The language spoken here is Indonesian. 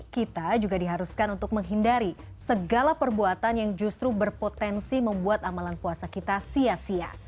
kita juga diharuskan untuk menghindari segala perbuatan yang justru berpotensi membuat amalan puasa kita sia sia